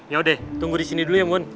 yaudah tunggu di sini dulu ya mun